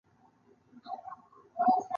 یو سل او څلور پنځوسمه پوښتنه د حکم په اړه ده.